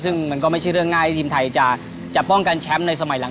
ซึ่งมันก็ไม่ใช่เรื่องง่ายที่ทีมไทยจะป้องกันแชมป์ในสมัยหลัง